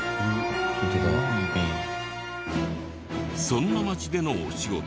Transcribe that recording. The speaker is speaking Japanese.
そんな街でのお仕事。